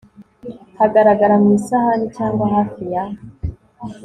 Hagarara mu isahani cyangwa hafi ya